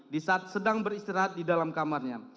di saat sedang beristirahat di dalam kamarnya